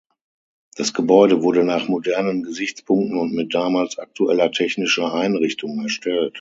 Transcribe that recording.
Das Gebäude wurde nach modernen Gesichtspunkten und mit damals aktueller technischer Einrichtung erstellt.